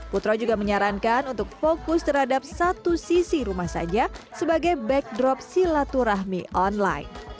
putra juga menyarankan untuk fokus terhadap satu sisi rumah saja sebagai backdrop silaturahmi online